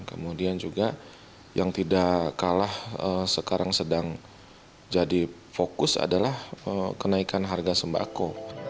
kemudian juga yang tidak kalah sekarang sedang jadi fokus adalah kenaikan harga sembako